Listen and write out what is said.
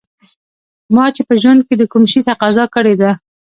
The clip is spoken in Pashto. ما چې په ژوند کې د کوم شي تقاضا کړې ده